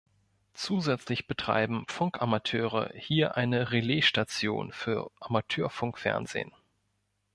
Zusätzlich betreiben Funkamateure hier eine Relaisstation für Amateurfunk-Fernsehen.